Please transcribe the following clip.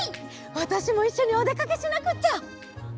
わたしもいっしょにおでかけしなくっちゃ！